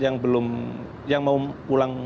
yang belum yang mau pulang